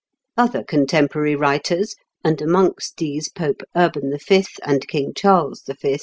Other contemporary writers, and amongst these Pope Urban V. and King Charles V. (Fig.